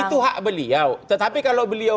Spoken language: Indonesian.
itu hak beliau tetapi kalau beliau